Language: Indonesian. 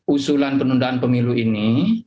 usulan penundaan pemilu ini